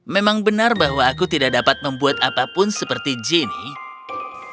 memang benar bahwa aku tidak dapat membuat apapun seperti jeanny